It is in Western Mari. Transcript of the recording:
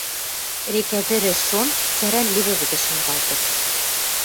Рекӓ тӹрӹш шон, цӓрӓн ливӹ вӹдӹш шынгалтыт.